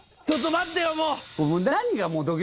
ちょっと待ってよ、もう。